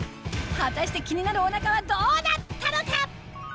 果たして気になるお腹はどうなったのか？